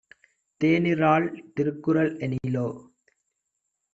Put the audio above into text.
தேனிறால் Thirukkural எனிலோ